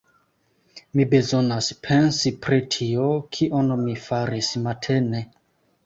Mi bezonas pensi pri tio, kion mi faris matene.